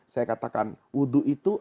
saya katakan wudu itu